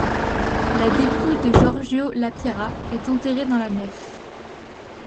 La dépouille de Giorgio La Pira est enterrée dans la nef.